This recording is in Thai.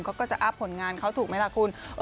เขาก็จะอัพผลงานเขาถูกไหมล่ะคุณ